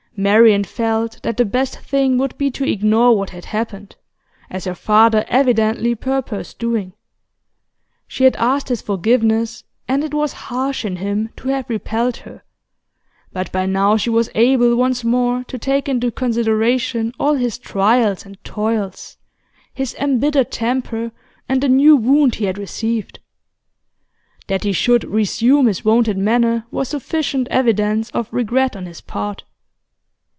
Marian felt that the best thing would be to ignore what had happened, as her father evidently purposed doing. She had asked his forgiveness, and it was harsh in him to have repelled her; but by now she was able once more to take into consideration all his trials and toils, his embittered temper and the new wound he had received. That he should resume his wonted manner was sufficient evidence of regret on his part.